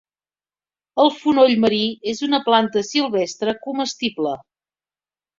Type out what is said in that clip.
El fonoll marí és una planta silvestre comestible.